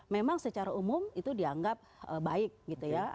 memang secara umum itu dianggap baik gitu ya